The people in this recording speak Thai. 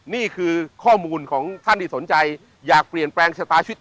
นี่คือข้อมูลของท่านที่สนใจอยากเปลี่ยนแปลงชะตาชีวิต